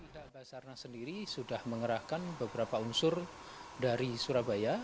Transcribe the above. dari basarnas sendiri sudah mengerahkan beberapa unsur dari surabaya